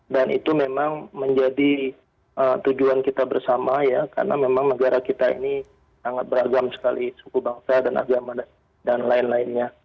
dan itu memang menjadi tujuan kita bersama karena memang negara kita ini sangat beragam sekali suku bangsa dan agama dan lain lainnya